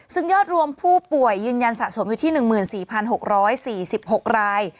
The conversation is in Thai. ซึ่งยอดรวมผู้ป่วยยืนยันสะสมอยู่ที่หนึ่งหมื่นสี่พันหกร้อยสี่สิบหกราย